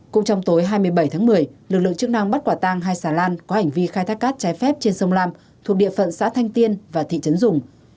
cũng trong tối hai mươi bảy tháng một mươi lực lượng chức năng bắt quả tang hai xà lan có hành vi khai thác cát trái phép trên sông lam thuộc địa phận xã thanh tiên và thị trấn dùng